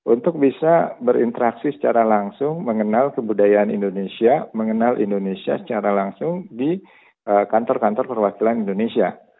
untuk bisa berinteraksi secara langsung mengenal kebudayaan indonesia mengenal indonesia secara langsung di kantor kantor perwakilan indonesia